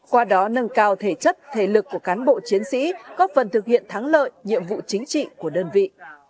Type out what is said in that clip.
qua đó nâng cao thể chất thể lực của cán bộ chiến sĩ góp phần thực hiện thắng lợi nhiệm vụ chính trị của đơn vị